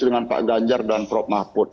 dengan pak ganjar dan prof mahfud